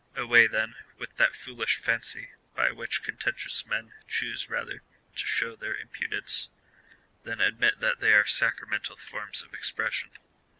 Away, then, with that foolish fancy hy which contentious men choose rather to show their impudence, than admit that they are sacramental forms of expression